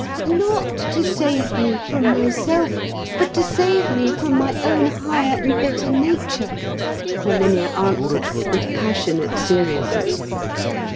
"Not to save me from myself, but to save me from my own higher and better nature," Herminia answered with passionate seriousness.